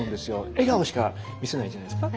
笑顔しか見せないんじゃないですか？